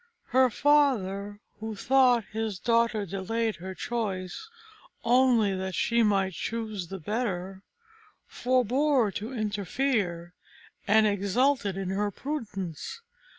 Her father, who thought his daughter delayed her choice only that she might choose the better, forbore to interfere, and exulted in her prudence.